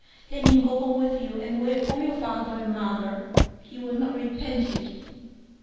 Let me go home with you and wait upon your father and mother; you will not repent it."